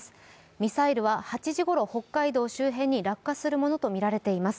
ミサイルは８時ごろ北海道周辺に落下するものとみられています。